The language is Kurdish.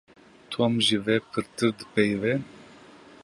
Tom ji we pirtir dipeyive.